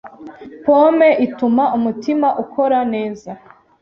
Pome Ituma umutima ukora neza